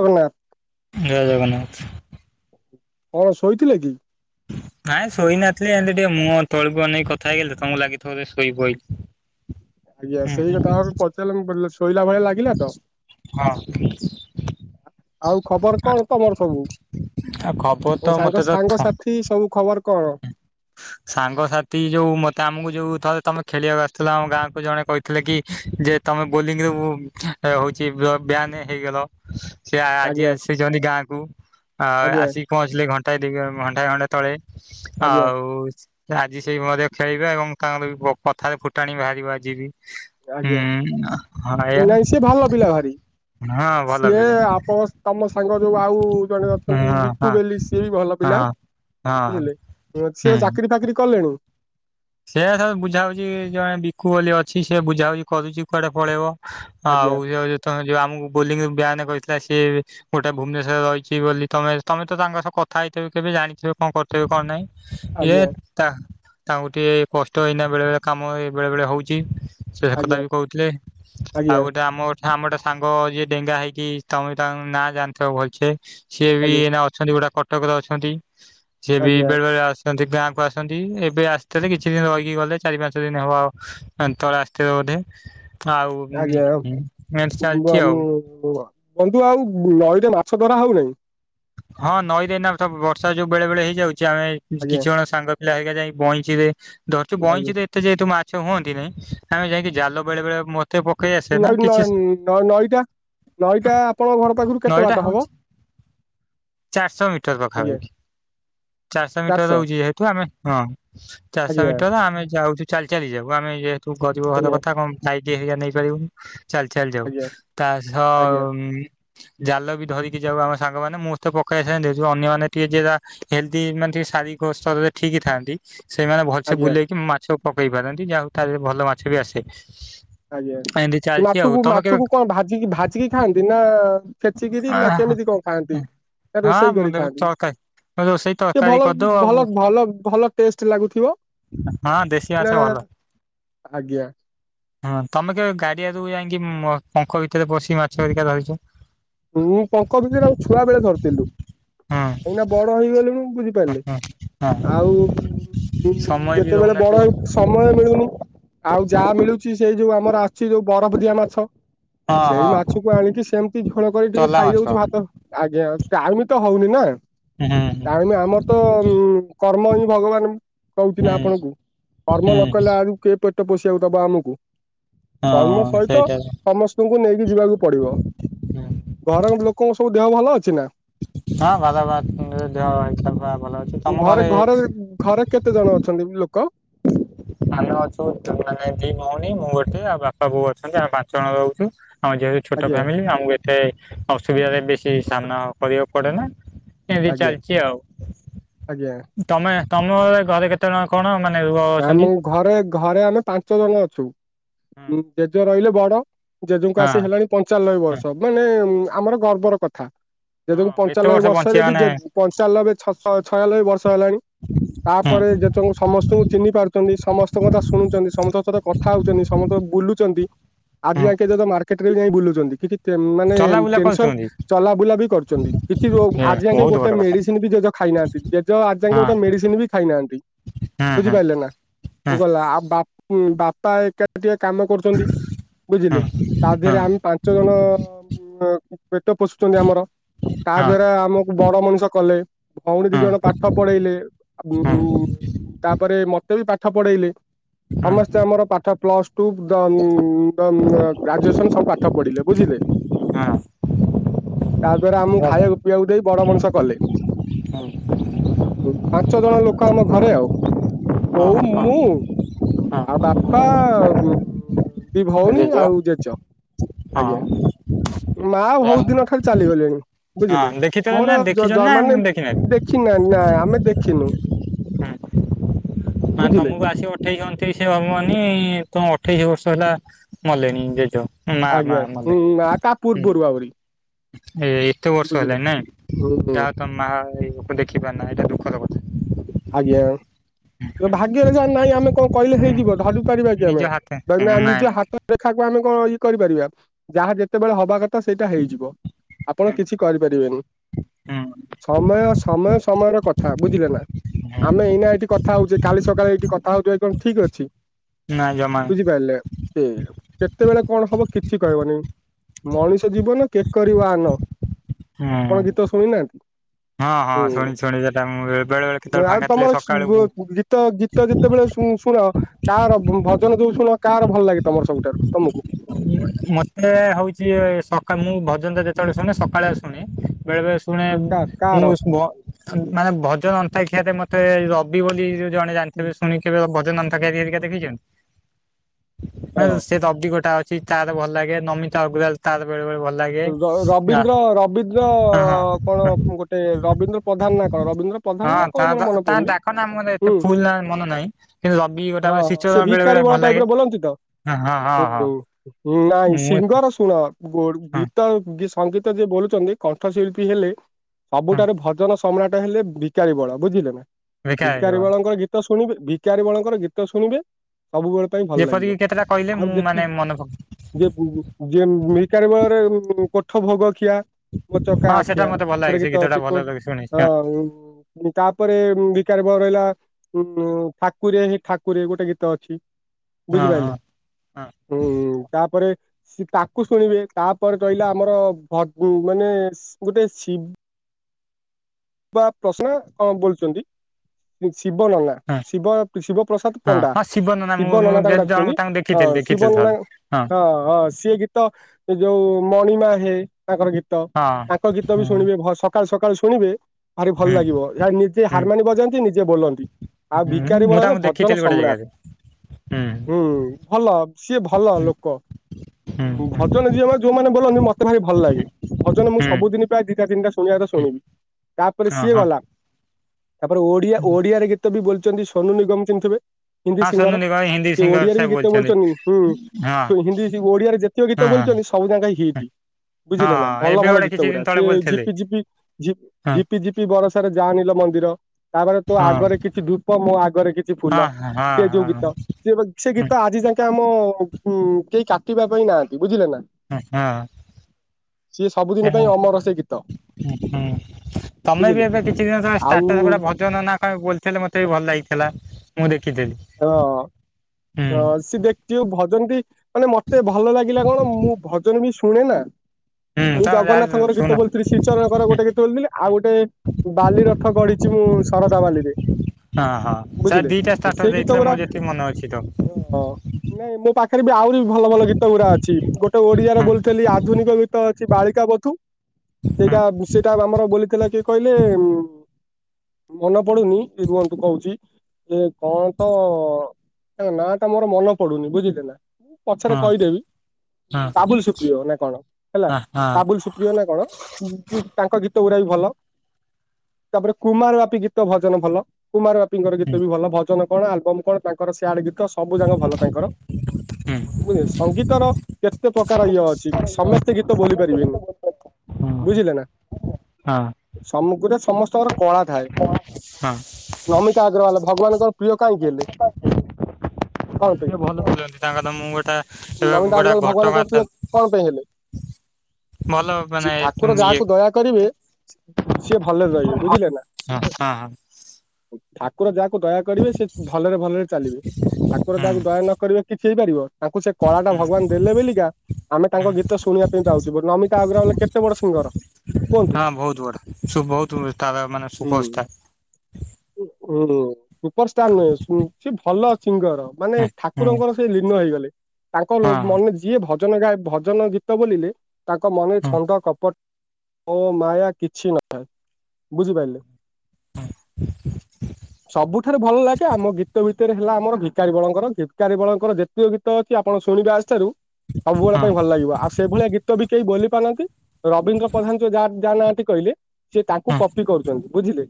ଜଗନା ଜୟ ଜଗନ୍ନାଥ। କଣ ଶୋଇଥିଲେ କି? ନାଇଁ ଶୋଇ ନଥିଲି ଏତି ଟିକେ ମୁହଁ ତଳକୁ ଅନେଇକି କଥା ହେଇଗଲି ତମକୁ ଲାଗିଥିବ ଶୋଇପଇଲି। ଆଜ୍ଞା ସେଇ କଥା ଆକୁ ପଚାରିଲ ଶୋଇଲା ଭଳିଆ ଲାଗ ହଁ। ଆଉ ଖବର କଣ ତମର ଖବର ତ ସବୁ ମତେ ସାଙ୍ଗ ତ ଥ ସାଙ୍ଗସାଥି ତି ସବୁ ଖବର କଣ? ସାଙ୍ଗସାଥି ଯୋଉ ମୋତେ ଆମକୁ ଯୋଉ ଥରେ ତୋମେ ଖେଳିବାକୁ ଆସିଥିଲ ଆମ ଗାଁ କୁ ଜଣେ କହି ଥିଲା କି ଯେ ତୋମେ ବୋଲିଂରେ ଉ, ଏ, ହଉଛି ଅ, ବ୍ୟାନ୍ ହେଇଗଲ। ସେ ଆଜି ଆଜ୍ଞା ଆସଛନ୍ତି ଗାଁ କୁ ଆ, ଆଜ୍ଞା ଆସିକି ପହଞ୍ଚିଲେ ଘଣ୍ଟାଏ ଦି ଘ-ଅ, ଘଣ୍ଟାଏ ଘଣ୍ଟେ ତଳେ। ଆଜ୍ଞା ଆଉ ଉସ୍ ଏ ଆଜି ସେଇ ମଧ୍ୟ ଖେଳିବେ ଏବଂ ତାଙ୍କର ବି କ- କଥାରେ ଫୁଟାଣି ବାହାରିବ ଆଜିି ବି। ହୁଁ ଆଜ୍ଞା, ହଁ ଏଇଆ ନାଇଁ ସିଏ ଭଲ ପିଲା ଭାରି। ହଁ ଭଲ ସିଏ ପିଲା। ଆପଣ ତୋମ ସାଙ୍ଗ ଯୋଉ ଆଉ ଜଣେ ହଁ ଅଛନ୍ତି ବିକୁ ବେଲି ସିଏ ବି ଭଲ। ହଁ, ହଁ, ହଁ। ଓ ସିଏ ଏବେ ହୁଁ ଚାକିରି ଫାକିରି କଲେଣି? ସେ ସବୁ ବୁଝାବୁଝି ଜଣେ ବିକୁ ବୋଲି ଅଛି ସେ ବୁଝାବୁଝି କରୁଚି କୁଆଡେ ପଳେଇବ। ଆଜ୍ଞା ଆଉ ଯୋଉ ଯୋଉ ତୋମେ ଯୋଉ ଆମକୁ ବୋଲିଙ୍ଗ ବ୍ୟାନ୍ କହିଥିଲା ସିଏ ବି। ଗୋଟେ ଭୁବନେଶ୍ୱର ରହିଛି ବୋଲି ତୋମେ ତୋମେ ତ ତାଙ୍କ ସହ କଥା ହେଇଥିବ କେବେ ଜାଣିଥିବେ କଣ କର ଥିବ କଣ ନାଇ? ଇଏ ଆଜ୍ଞା ତା କେ କଷ୍ଟ ଏଇନା ବେଳେବେଳେ କାମ ଏ ବେଳେବେଳେ ହଉଛି। ସେ ସେ କଥା ଆଜ୍ଞା ବି କହୁଥିଲେ। ଆଉ ଆଜ୍ଞା ଗୋଟେ ଆମ ହେ ଆମ ଗୋଟେ ସାଙ୍ଗ ଯିଏ ଡେଙ୍ଗା ହେଇକି ତୋମେ ବି ତାଙ୍କ ନାଁ ଜାଣିଥିବ ଭଲସେ। ସିଏ ବି ଆଜ୍ଞା। ଏଇନା ଅ ଅଛନ୍ତି, ଗୋଟେ କଟକରେ ଅଛନ୍ତି। ସିଏ ବି ଆଜ୍ଞା ବେଳେ ବେଳେ ଆସନ୍ତି ଗାଁକୁ ଆସନ୍ତି। ଏବେ ଆସ ତୋତେ କିଛି ଦିନ ରହିକି ଗଲେ, ଚାରି ପାଞ୍ଚ ଦିନ ହବ ମାନ ତଳ ଆସଥିଲେ ବୋଧେ। ଆଉ ଉଁ, ହୁଁ, ମେନ୍ସ ଚାଲିଛି ଆଉ। ଓ, ଆ, ବନ୍ଧୁ ଆଉ ବି-ନଈରେ ମାଛ ଧରା ହଉ ନାହିଁ? ହଁ ନଈରେ ଏନା ସବୁ ବର୍ଷା ଯୋଉ ବେଳେ ବେଳେ ହେଇଯାଉଛି। ଆମେ କିଛ କିଛି ଆଜ୍ଞା ଜଣ ସାଙ୍ଗ ପିଲେ ହେରିକା ଯାଇ ବଇଁଶି ରେ ଧରଛୁ। ଆଜ୍ଞା। ବଇଁଶି ରେ ସେ ଯେହେତୁ ମାଛ ହୁଅନ୍ତି ନାଇଁ। ଆମେ ଯାଇକି ଜାଲ ବେଳେ ବେଳେ ମ ଉଁହୁଁ, ନଈ ଟା ନ ନଈ ଟା, ନଈ ଟା ଆପଣଙ୍କ ଘର ପାଖରୁ କେତେ ନଈଟା ବାଟ ହବ? ହଉଛି ଚାରିଶହ ମିଟର୍ ଆଜ୍ଞା ପାଖାପାାଖି। ଚାରଶହ ମିଟର ଚାରିଶହ ରହୁଚି, ଯେହେତୁ ଆମେ ହଁ ଚାରଶହ ଆଜ୍ଞା ମିଟର ଆମେ ଯାଉଛୁ ଚାଲି ଚାଲି ଯାଉ ଆମେ ଯେହେତୁ ଗରିବ ଘର ଆଜ୍ଞା କଥା କଣା ବାଇକ୍ ଟିଏ ହେଇଗା ନେଇପାରିବୁନି। ଚାଲି ଚାଲି ଯାଉ, ଆଜ୍ଞା ତା ସହ ଆଜ୍ଞା ଉଁ, ଜାଲ ବି ଧରିକି ଯାଉ ଆମ ସାଙ୍ଗମାନେ ମୁଁ ତ ପକେଇଥାନ୍ତି, ଯୋଉ ଅନ୍ୟମାନେ ଟିକେ ଯିଏ ଯା ହେଲ୍ଦି ମାନେ ଟିକେ ଶାରୀରିକ ସ୍ତରରେ ଠିକ୍ ଥାଆନ୍ତି। ସେଇମାନେ ଭଲସେ ଆଜ୍ଞା ବୁଲେଇକି ମାଛ ପକେଇ ପାରନ୍ତି ଯାହା ହଉ ତାର ବି ଭଲ ମାଛ ବି ଆସେ। ଆଜ୍ଞା, ଏମିତି ସେ ଚାଲିଛି ଆଉ ମାଛକୁ ତମେ କେବେ ମାଛକୁ କଣ ଭାଜି ଭାଜିକି ଖାଆନ୍ତି? ନା ଛେଚିକିରି ନା କେମିତି କଣ ଖାଆନ୍ତି? ନା ହଁ ରୋଷେଇ କରି ମତେ ଖାଆନ୍ତି? ତରକାରୀ ରୋଷେଇ ତ ସିଏ ଭଲ ଭଲ ଭଲ ଭଲ ଟେଷ୍ଟ ଲାଗୁଥିବ? ହଁ ଦେଶୀ ନା ମାଛ ଭଲ। ଆଜ୍ଞା। ହଁ ତୋମେ କେବେ ଗାଡିଆରୁ ଏ ଯାଇଁକି ମ-ପଙ୍କ ଭିତରେ ପସି ମାଛ ହେରିକା ଧରିଛ? ମୁଁ ପଙ୍କ ଭିତରେ ଏଇ ଛୁଆ ବେଳେ ଧରିଥିଲୁ। ହୁଁ। ଏଇନା ବଡ ହେଇଗଲିଣି ହୁଁ ବୁଝିପାରଲେ। ହୁଁ ହଁ ଆଉ ମୁଁ ଉ, ସମୟ ବି ଯେତେବେଳେ ରହୁନଥିବ ବଡ ହେଉ ସମୟ ମିଳୁନି। ଆଉ ଯା ମିଳୁଛି ସେଇ ଯୋଉ ଆମର ଆସୁଛି ଯୋଉ ବରଫ ଦିଆ ମାଛ। ହଁ ସେଇ ହଁ ମାଛକୁ ଆଣିକି ସେମତି ଝୁ ଝୋଳ କରି ଟିକେ ଚଲା ମାଛ। ଖାଇଦଉଚୁ ଭାତ। ଆଜ୍ଞା, ଟାଇମି ତ ହଉନି ନା। ହୁଁ ହୁଁ ଟାଇମି ଆମର ତ ଉଁ, କର୍ମ ହିଁ ଭଗବାନ କହୁଚି ନା ହୁଁ ଆପଣଙ୍କୁ। କର୍ମ ନ ହୁଁ କଲେ ଆରୁ କିଏ ପେଟ ପୋଷିବାକୁ ଦବ ଆମକୁ। କର୍ମ ହଁ ସହିତ ସେଇଟା ହୁଁ। ସମସ୍ତଙ୍କୁ ନେଇକି ଯିବାକୁ ପଡିବ। ଘର ଲୋକଙ୍କ ସବୁ ଦେହ ଭଲ ଅଛି ନା? ହଁ ବାବା ମା ଉଁ, ଦେ -ଦେହ ଏକଦମ୍ ଭ- ଭଲ। ଅଛି ତମ ଘରେ ଘରେ ଉ, ଘରେ କେତେ ଜଣ ଅଛନ୍ତି ଲୋକ? ଆମେ ଅଛୁ [inaudible] ମାନେ ଦି ଭଉଣୀ ମୁଁ ଗୋଟେ ଆଉ ବାପା ବୋଉ ଅଛନ୍ତି। ଆମେ ପାଞ୍ଚ ଜଣ ରହୁଛୁ। ହଁ ଯେହେତୁ ଛୋଟ ଆଜ୍ଞା ଫ୍ୟାମିଲି ଆମକୁ ଏତେ ଅସୁବିଧାରେ ବେଶି ସାମ୍ନା କରିବାକୁ ପଡେନା। ଏମିତି ଆଜ୍ଞା ଚାଲିଛି ଆଉ। ଆଜ୍ଞା। ତମେ ତମ ଘରେ କେତେ ଜଣ କଣ ମାନେ ରୁଅ ଆମ ଅଛନ୍ତି? ଘରେ ଘରେ ଆମେ ପାଞ୍ଚ ଜଣ ଅଛୁ। ହଁ ଜେଜେ ରହିଲେ ବଡ ଜେଜେଙ୍କୁ ଆସି ହଁ ହେଲାଣି ପଞ୍ଚାନବେ ବର୍ଷ ମାନେ ଆମର ଗର୍ବର କଥା। ଜେଜେଙ୍କୁ ହଁ ଏତେ ପଞ୍ଚାନବେ ବର୍ଷ ବର୍ଷରେ ବଞ୍ଚିବା ବି ମାନେ ଜେ ପଞ୍ଚଲବେ ଛ ଛୟାଲବେ ବର୍ଷ ହେଲାଣି ହୁଁ ତାପରେ ଯେଜେଙ୍କୁ ସମସ୍ତଙ୍କୁ ଛନ୍ଦି ସମସ୍ତଙ୍କ କଥା ଶୁଣୁଛନ୍ତି ସମସ୍ତଙ୍କ ସହିତ କଥା ହଉଛନ୍ତି ସମସ୍ତଙ୍କ ବୁଲୁଛନ୍ତି। ଆଜି ହୁଁ। ଯାଙ୍କେ ଯ ମାର୍କେଟରେ ବି ଯାଇ ବୁଲୁଛନ୍ତି କି କୀ ଟେନ ମାନେ ଚଲାବୁଲା ଟେନସନ୍ କରୁଛନ୍ତି ଚଲାବୁଲା ବି କରୁଛନ୍ତି କିଛି ରୋ ଏ ଆଜି ଯାଙ୍ଗେ ବହୁତ ଗୋଟେ ବଡ କଥା ମେଡିସିନ ବି ଯେଜ ଖାଇନାହାନ୍ତି। ଯେ ଯ ଆଜି ଯାଙ୍କେ ହଁ ଗୋଟେ ମେଡିସିନ ବି ଖାଇନାହାନ୍ତି। ହଁ ହଁ ବୁଝିପାଇଲେ ନା ହଁ ହଁ ହଁ ଗଲା ଆଉ ବାପୁ ବାପା ଏକା ଟିକିଆ କାମ କରୁ ଚନ୍ଦି ବୁଝିଲେ ତା ଦେହରେ ହଁ ଆମେ ପାଞ୍ଚ ଜଣ ପେଟ ପୋଷୁଛନ୍ତି ଆମର। ତା ଦ୍ଵାରା ଆମକୁ ବଡ ମଣିଷ କଲେ ଭଉଣୀ ଦି ଜଣ ହଁ ପାଠ ପଢେଇଲେ ଉ ତାପରେ ମତେ ବି ପାଠ ପଢେଇଲେ ହଁ ସମସ୍ତେ ଆମର ପାଠ ପ୍ଲସ୍ ଟୁ ଦ ଉଁ -ଉଁ-ଉଁ ଗ୍ରାଜୁଏସନ ସବୁ ପାଠ ପଢିଲେ ବୁଝିଲେ। ହଁ। ତା ଦ୍ଵାରା ଆମକୁ ଖାଇବାକୁ ପିଇବାକୁ ଦେଇ ବଡ ମଣିଷ କଲେ। ହଁ। ହୁଁ ପାଞ୍ଚ ଜଣ ଲୋକ ଆମ ଘରେ ଆଉ। ବୋଉ ହଁ ମୁଁ ଆଉ ବାପା ହଁ ଦି ଭଉଣୀ ଜେଜ ଆଉ ଜେଜ ଆଜ୍ଞା ହଁ। ମା ହଁ ବହୁତ ଦିନ ଠାରୁ ଚାଲିଗଲେଣି ବୁଝିଲେ ଦେଖିଛ ନା ଆମର ଯ ଦେଖିଛ ଯ ନା ମାନେ ଦେ ଚୀନା ନାଁ ଆମେ ଦେଖିନୁ। ନା ବୁଝିଲେ ତମକୁ ଆସିବ ଉଠେଇସି ଅନ୍ତିରିଶି ହେବ ମାନି ତ ଅଠେଇଶ ବର୍ଷ ହେଲା ମଲେଣି ଜେଜ। ମା ମା ଆଜ୍ଞା ହୁଁ ମଲେଣି ହୁଁ ତା ହୁଁ ପୁର୍ବରୁ ଆହୁରି। ଏ ଏତେ ବର୍ଷ ବୁଝିଲେ ହେଲାଣି ନାଇଁ ହୁଁ ଯା ତମ ମା ଏ ଦେଖି ପରୁନା ଏଇଟା ଦୁଃଖର କଥା। ଆଜ୍ଞା। ଭାଗ୍ୟରେ ଯାହା ନାଇଁ ଆମେ କଣ କହିଲେ ହେଇଯିବ ଧରି ପାରିବା କି ନିଜ ଆମେ ହାତ ନା ନାଇଁ ନାଇଁ ନିଜ ହାତ ରେଖାକୁ ଆମେ କଣ ଇଏ କରିପାରିବା। ଯାହା ଯେତେବେଳେ ହବା କଥା ସେଇଟା ହେଇଯିବ। ଆପଣ ହୁଁ କିଛି କରିପାରିବେନି ସମୟ ସମୟ ସମୟର କଥା ବୁଝିଲେ ନା। ହୁଁ ଆମେ ଏଇନା ଏଠି କଥା ହଉଛେ କାଲି ସକାଳେ ଏଇଠି କଥା ହଉଥିବା କି କଣ ଠିକ ଅଛି। ନାଁଇ ଜମା ପେଲେ ସେଆ କେତେବେଳେ କଣ ହବ କିଛି କହିବନି। ମଣିଷ ଜୀବନ କେକରିବ ଆନ ହୁଁ ଆପଣ ଗୀତ ଶୁଣି ନାହାନ୍ତି। ହଁ ହଁ ଶୁଣିଛି ଶୁଣି ହେଟା ମୁଁ ବେଳେଳେ ଆଉ ତମର ବୁ ଗୀତ ଗୀତ ଯେତେବେଳେ ଶୁ ଶୁଣ କାଆର ଭଜନ ଯୋଉ ଶୁଣ କାଆର ଭଲ ଲାଗେ ତମର ସବୁଠାରୁ ତମକୁ? ମତେ ହଉଛି ସକା ମୁଁ ଭଜନ ଟା ଯେତେବେଳେ ଶୁଣେ ସକାଳେ ଶୁଣେ ବେଳେବେଳେ ଶ ଶୁଣେ କା- ମୁଁ କାହାର ଭ ମାନେ ଭଜନ ଅନ୍ତାକ୍ଷରି ରେ ମତେ ରବି ବୋଲି ଜଣେ ଜାଣିଥିବେ ଶୁଣି କେବେ ଭଜନ ଅନ୍ତାକ୍ଷର ହେରିକା ଦେଖିଛନ୍ତି। ହଁ [unintelligible] ସେ ରବି ଗୋଟା ଅଛି ତାର ଭଲ ଲାଗେ। ନମିକୁଅଗ୍ରୱାଲ ତାର ବେଳେ ବେଳେ ଭଲ ଲାଗେ ର- ଆଁ ରବୀନ୍ଦ୍ର ରବୀନ୍ଦ୍ର ହଁ କଣ ହଁ ଗୋଟେ ରବୀନ୍ଦ୍ର ପ୍ରଧାନ ନା କଣ ରବୀନ୍ଦ୍ର ପ୍ରଧାନ ହଁ ନା ହଁ କଣ ତା ମୋର ମନେ ତା ପଡୁନି ଡାକ ନା ମୋର ଏତେ ହୁଁ ଫୁଲୁ ନା ମନେ ନାହିଁ। କିନ୍ତୁ ରବି ଗୋଟା ହଁ କ ଶି ସେ ଚରଣ ବେଳେ ଭିକାରୀ ବେଳେ ବଳ ଭଲ ଟାଇପ ର ବୋଲନ୍ତି ତ ଲାଗେଁ ହଁ ହଁ ହଁ। ହୁଁ ନାଇଁ ମୁଁ ସିଙ୍ଗର ଶୁଣ ବୋଡ ହଁ ବୀ ସଙ୍ଗୀତ ଯିଏ ବୋୁଲୁଚନ୍ତି କଣ୍ଠ ଶିଳ୍ପୀ ହେଲେ ହଁ ସବୁଠାରୁ ଭଜନ ସମ୍ରାଟ ହେଲେ ଭିକାରୀ ବଳ ବୁଝିଲେ ନା ଦେଖା ହେଇଯିବ ଭିକାରୀ ବଳଙ୍କ ଗୀ ତ ଶୁଣିବେ ଭିକାରୀ ବଳଙ୍କର ଗୀତ ଶୁଣିବେ ସବୁବେଳେ ପାଇଁ ଭଲ ଲାଗିବ। ଯେପରିକି କେତିଟା କହିଲେ ଆଉ ମୁଁ ଯେତେ ମାନେ ମନେ ପ ଯେ ଯେ ଭିକାରୀ ବଳରେ କୋଠ ଭୋଗ ଖିଆ ମୋ ଚକା ହଁ ସେଟା ଆଖିଆ ମତେ ଭଲ ଲାଗେ ଗୋଟେ ସେ ଗୀତ ଗୀତଟା ଅଛି ଭଲ କୋ ଲାଗେ ଶୁଣିଛି ହଁ ହ ତାପରେ ବିକାର ବଳ ରହିଲା। ଉଁ ଠାକୁରେ ହେଁ ଠାକୁରେ ଗୋଟେ ଗୀତ ଅଛି। ହଁ ବୁଝିପାଇଲେ ହଁ ହଁ ହୁଁ ତାପରେ ସି ତାକୁ ଶୁଣିବେ ତାପରେ ରହିଲା ଆମର ଭଗୁ ମାନେ ସି ଗୋଟେ ଶି ବ ପ୍ରଶ୍ନ କଣ ବୋଲୁଚନ୍ତି ଶିବ ନନା। ହଁ ଶିବ ଶିବ ପ୍ରସାଦ ହଁ ପଣ୍ଡା ହଁ ଶିବ ମୁଁ ଶିବ ମୁଁ ନନା ତାକୁ ଜଣଙ୍କୁ ଡାକୁଚନ୍ତି। ତାଙ୍କୁ ହଁ ଦେଖିଥିଲି ଶିବ ଦେଖିଥିଲି ନନା ଥରେ ହଁ ହଁ ସିଏ ଗୀ ଗୀଚ ଯୋଉ ମଣିମା ହେ ତାଙ୍କର ଗୀତ ହଁ ତାଙ୍କ ଗୀତ ବି ହୁଁ ଶୁଣିବେ ଭ ସ କାଳୁ ସକାଳୁ ଶୁଣିବେ ଭାରି ଭଲ ହୁଁ ଲାଗିବ। ଯା ନିଜେ ହୁଁ ହାରମାନି ବଜାନ୍ତି ନିଜେ ବୋଲନ୍ତି। ଆଉ ହୁଁ ଭିକାରୀ ମୁଁ ବଳ ତାଙ୍କୁ ହେଲେ ଭଜନ ଦେଖିଥିଲି ଗୋଟେ ସମ୍ରାଟ। ଜାଗାରେ ହୁଁ ଭଲ ସିଏ ଭଲ ଲୋକ। ହୁଁ ହୁଁ ଭଜନ ଯିିଏ ଯୋଉମାନେ ବୋଲନ୍ତି ମତେ ଭାରି ଭଲ ଲାଗେ। ଭନନ ମୁଁ ହୁଁ ସବୁ ଦିନି ପାୟ ଦିଟା ତିିନିଟା ଶୁଣିବା କଥା ଶୁଣିବି। ତାପରେ ହଁ ସିଏ ହଁ ଗଲା। ତାପରେ ଓଡିଆ ଓଡିଆରେ ଗୀତ ବି ବୋଲିଚନ୍ତି ସୋନୁ ନିଗମ ଚିହ୍ନି ଥିବେ। ହିନ୍ଦୀ ହଁ ସୋନୁ ସିଙ୍ଗର ନିଗମ ହିନ୍ଦୀ ସେ ସିଙ୍ଗର ସେ ଓଡିଆରେ ବି ଗୀତେ ବୋଲିଛନ୍ତି ବୋଲିଚନ୍ତି ହଁ ହୁଁ ହିନ୍ଦି ଓଡିଆରେ ଯେ ତିକ ଗୀତ ହଁ ବୋଲିୁଚନ୍ତିି ସବୁ ଯାଁକ ହିଟ୍। ହଁ ବୁଝିଲେ ନା ଭଲ ଏବେ ଭଲ ଗୋଟେ ଗୀତ କିଛି ଗୁରା ଦିନ ତଳେ ସିଏ ବୋଲିଥିଲେ ଝିପି ଝିପି ହଁ ଝି ପି ଝିପି ବରଷାରେ ଯାଆନିଲୋ ମନ୍ଦିର ତାପରେ ତୋ ହଁ ଆଗରେ କିଛି ଧୂପ ମୋ ଆଗରେ କି ଛି ଫୁଲ ହଁ ହଁ ସେ ଯୋଉ ହଁ ଗୀତ ସେ ସେ ଗୀତ ଆଜି ଯାଁଏ ଏଟା ମୋ କେହି କାଟିବା ପାଇଁ ନାହାନ୍ତି ବୁଝିଲେ ନା। ହଁ ସିଏ ସବୁଦିନ ପାଇଁ ଅମର ସେ ଗୀତ। ହୁଁ ହୁଁ ତମେ ବି ବୁଝିଲେ ଏବେ କିଛି ଦିନତଳେ ଆଉ ଷ୍ଟାଟସ୍ ଗୋଟେ ଭ ଜନ ନା କଣ ବୋଲିଥିଲେ ମତେ ବି ଭଲ ଲାଗିଥିଲା ମୁଁ ଦେଖିଥିଲି। ହଁ ହୁଁ ହଁ ସିଏ ଦେଖିଥିବ ଭଜନ ବି ମାନେ ମତେ ଭଲ ଲାଗିଲା କଣ ମୁଁ ଭଜନ ବି ଶୁଣେ ନା। ହୁଁ ମୁଁ ତ ଯା ଜଗନ୍ନାଥଙ୍କର ଶୁଣ ଗୀତ ବୋଲିଥିଲି ଶ୍ରୀଚରଣଙ୍କର ଗୋଟେ ଗୀତ ବୋଲିଥିଲି ଆଉ ଗୋଟେ ବାଲି ରଥ ଗଢିଚି ମୁଁ ଶରଦା ବାଲିରେ ହଁ ହଁ ସାର୍ ବୁଝିଲେ ଦିଟା ଷ୍ଟାଟସ ସେ ଦେଇ ଗୀତ ଗୁରା ହଁ ନାଇଁ ମୋ ପାଖରେ ବି ଆହୁରି ବି ଭଲ ଭଲ ଗୀତ ଗୁର ଅଛି। ଗୋଟେ ଓଡିଆରେ ହଁ ବୋଲିଥିଲି ଆଧୁନିକ ଗୀତ ସେ ବାଳିକା ବଧୁ ହଁ ସେଇଟା ସେଇଟା ଆମର ବୋଲିଥିଲେ କିଏ କହିଲେ ଉଁ ମନ ପଡୁନି ଏ ରୁହନ୍ତୁ କୋହୁଚି। ଏ କଣ ଗୀତ ତା ନାଁଟା ମୋର ମନେ ପଡୁନି ବୁଝିଲେ ନା। ମୁଁ ପଛରେ ହଁ କହିଦେବି। ହଁ ବାବୁଲ ସୁପ୍ରିୟ ନା କଣ ହେଲା ହଁ ହଁ ବାବୁଲ ସୁପ୍ରିୟ ନା କଣ ତାଙ୍କ ଗୀତ ଗୁରା ବି ଭଲ। ତାପରେ କୁମାର ବାପି ଗୀତ ଭଜନ ଭଲ। କୁମାର ବାପି ଙ୍କର ହୁଁ ଗୀତ ବି ଭଲ ଭଜନ କଣ ଆଲବମ କଣ ତାଙ୍କର ସିଆଡେ ଗୀ ତ ସବୁ ଯାକ ଭଲ ତାଙ୍କର ହୁଁ ବୁଝିଲେ। ସଙ୍ଗୀତର କେ ତେ ପ୍ରକାର ଇଏ ଅଛି। ସମସ୍ତେ ଗୀତ ବୋଲି ପାରିବେନି ହୁଁ ବୁଝିଲେ ନା। ହଁ। ସମୁଗୁରେ ସମସ୍ତଙ୍କର କଳା ଥାଏ। ହଁ ନମିତା ଅଗ୍ରୱାଲ ଭଗବାନଙ୍କ ପ୍ରିୟ କାହିଁକି ହେଲେ। ହଁ କଣ ପାଇଁ ସିଏ ଭଲ ବୋଲନ୍ତି ତାଙ୍କର ତ ମୁଁ ଗୋଟେ ଏବେ ନମିତା ଗୋଟେ ଅଗ୍ରୱାଲ ଘଟଗାଁ ଭଗବାନଙ୍କର ପ୍ରିୟ ତା କଣ ପାଇଁ ହେଲେ ଭଲ ଚି ମାନେ ଠାକୁର ଇଏ ଯାହାକୁ ଦୟା। କରିବେ, ସିଏ ଭଲରେ ରହିବେ, ବୁଝିଲେ ନା। ହଁ ହଁ ଠାକୁର ଯାହାକୁ ଦୟା କରିବେ ସେ ଭଲରେ ଭଲରେ ଚାଲିବେ ଠାକୁର ହଁ ହୁଁ ଯାହାକୁ ଦୟା ନ କରିବେ କିଛି ହେଇପାରିବ, ତାକୁ ସେ କଳା ଟା ଭଗବାନ ଦେଲେ ବେଲିକା। ଆମେ ତାଙ୍କ ଗୀତ ଶୁଣିବା ପାଇଁ ପାଉଛୁ ନମିତା ଅଗ୍ରୱାଲ କେତେ ବଡ ସିଙ୍ଗର ହୁଁ ହୁଁ କୁହନ୍ତୁ। ହଁ ବହୁତ ବଡ, ସେ ବହୁତ ତାରା ମାନେ ହୁଁ। ସୁପରଷ୍ଟାର୍। ହୁଁ ରୁ ସୁପର ଷ୍ଟାର ନୁହେଁ ଶୁ ସେ ଭଲ ସିଙ୍ଗର। ମାନେ ହୁଁ ଠାକୁରଙ୍କର ସେ ଲୀନ ହେଇଗଲେ ତାଙ୍କ ଲୋ ହୁଁ ମନେ ଯିଏ ଭଜନ ଗାଏ ଭଜନ ଗୀତ ବୋଲିଲେ ତାଙ୍କ ମନରେ ହଁ ଛନ୍ଦ କପଟ। ମୋହ ମାୟା କିଛି ନଥାଏ। ବୁଝିପାରିଲେ, ସବୁ ଠାରୁ ଭଲ ଲାଗେ ଆମ ଗୀତ ଭିତରେ ହେଲା ଆମର ଭିକାରୀ ବଳଙ୍କର ଭିକାରୀ ବଳଙ୍କର ଯେତିକି ଗୀତ ଅଛି ଆପଣ ଶୁଣିବେ ଆସିଠାରୁ। ହଁ ସବୁବେଳେ ହଁ ପାଇଁ ଭଲ ଲାଗିବ ଆଉ ସେଭଳିଆ ଗୀତ ବି କେହି ବୋଲି ପାରୁନାହାନ୍ତି ରବୀନ୍ଦ୍ର ପ୍ରଧାନ ଯୋଉ ଯାହା ଯାହା ନାଁ ଟି କହିଲେ ସେ ତାଙ୍କୁ ହଁ କପି କରୁଛନ୍ତି ବୁଝିଲେ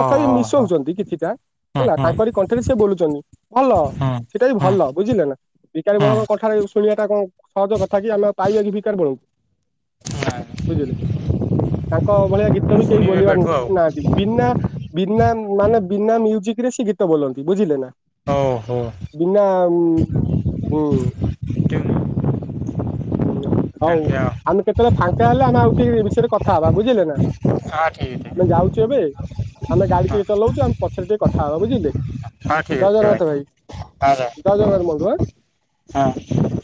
ତଥାପି ହୋ ମିଶଉଛନ୍ତି କିଛିଟା। ହଁ ହେଲା ହଁ ତାଙ୍କରି କଣ୍ଠରେ ସିଏ ବୋଲୁଛନ୍ତି ଭଲ। ହଁ ସେଇଟା ବି ହଁ ଭଲ ବୁଝିଲେ ନା ବିକାରୀ ହଁ ବଳଙ୍କ କଣ୍ଠରେ ଶୁଣିବା ଟା କଣ ସହଜ କଥା କି ଆମେ ଆଉ ପାଇବା କି ଭିକାରି ବଳ ଙ୍କୁ ବୁଝିଲେ। ତାଙ୍କ ଭଳିଆ ଗୀତ ବି କେହି ଶୁଣିବେ ବୋଲିବାର ଏବେଠୁ ଆଉ ନାହାଁନ୍ତି ବିନା ବିନା ମାନେ ବିନା ମ୍ୟୁଜିକ ରେ ସେ ଗୀତ ବୋଲନ୍ତି ବୁଝିଲେ ନା। ଓ ହୋ। ବିନା ଉଁ ହୁଁ। ହୁଁ ହଉ ଏମିତି ଆଉ ଆମେ କେତେବେଳେ ଫାଙ୍କା ହେଲେ, ଆମେ ଆଉ ଟିକେ ବିଷୟରେ କ ଥା ହବା ବୁଝିଲେ ନା ହଁ ଠିକ ଆମେ ଠିକ ଯାଉଛୁ ଏବେ ଆମେ ଗାଡି ହଁ ହଁ ଟିକେ ଚଲଉଛୁ ଆମେ ପଛରେ ଟିକେ କଥ ବୁଝିଲେ, ଠିକ ଅଛି ଜୟ ଜଗନ୍ନାଥ ଭାଇ, ଭାଇ ହଁ ଜୟ ଜଗନ୍ନାଥ ବନ୍ଧୁ ଆଁ। ହଁ।